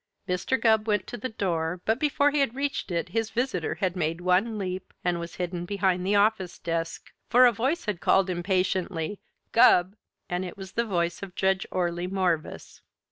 Mr. Gubb went to the door, but before he reached it his visitor had made one leap and was hidden behind the office desk, for a voice had called, impatiently, "Gubb!" and it was the voice of Judge Orley Morvis.